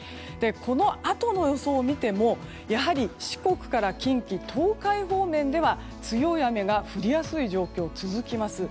このあとの予想を見ても四国から近畿・東海方面では強い雨が降りやすい状況が続きます。